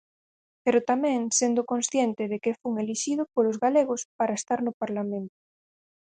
Pero tamén sendo consciente de que fun elixido polos galegos para estar no Parlamento.